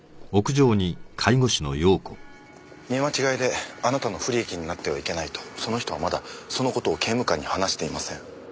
見間違いであなたの不利益になってはいけないとその人はまだそのことを刑務官に話していません。